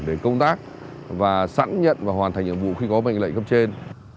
để công tác và sẵn nhận và hoàn thành nhiệm vụ khi có bệnh lệ cấp trên